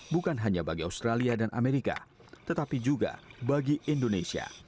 bukan hanya bagi australia dan amerika tetapi juga bagi indonesia